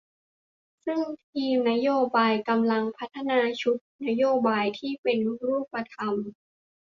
ซึ่งทีมนโยบายกำลังพัฒนาชุดนโยบายที่เป็นรูปธรรม